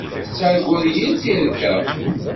Tettarguḍ yir tirga.